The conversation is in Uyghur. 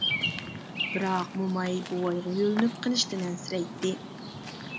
بىراق، موماي بوۋايغا يۆلىنىپ قېلىشتىن ئەنسىرەيتتى.